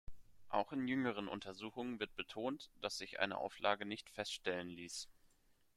Auch in jüngeren Untersuchungen wird betont, dass sich eine Auflage nicht feststellen ließ.